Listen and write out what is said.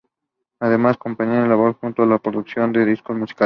Además, compagina esta labor junto con la de producción de discos musicales.